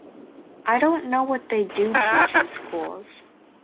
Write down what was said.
I don’t know what they do teach in schools.